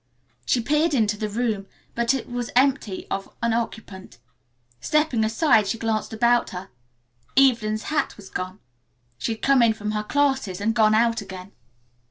She peered into the room, but it was empty of an occupant. Stepping inside she glanced about her. Evelyn's hat was gone. She had come in from her classes and gone out again.